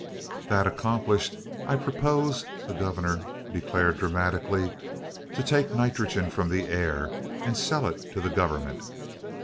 "That accomplished, I propose," the Governor declared dramatically, "to take nitrogen from the air and sell it to the government!"